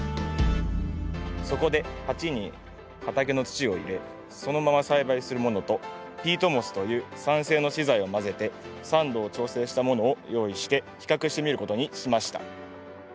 そこで鉢に畑の土を入れそのまま栽培するものとピートモスという酸性の資材を混ぜて酸度を調整したものを用意して比較してみることにしました。